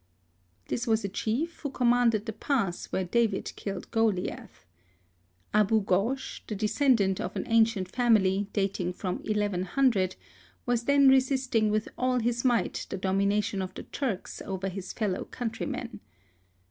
This was a chief who com manded the pass where David killed Go liath. Abou Gosh, the descendant of an ancient family, dating from 1100, was then resisting with all his might the domination of the Turks over his fellow countrymen.